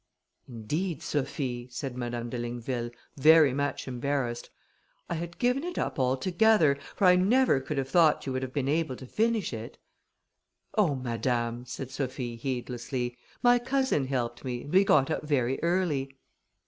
"Indeed, Sophie," said Madame de Ligneville, very much embarrassed, "I had given it up altogether, for I never could have thought you would have been able to finish it." "Oh, madame," said Sophie, heedlessly, "my cousin helped me, and we got up very early."